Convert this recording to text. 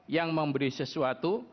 yang memberi sesuatu